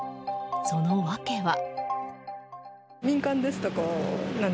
その訳は？